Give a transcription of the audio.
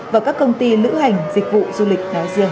và các công ty lữ hành dịch vụ du lịch nói riêng